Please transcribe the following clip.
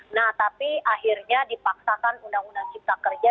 nah tapi akhirnya dipaksakan undang undang ciptakerja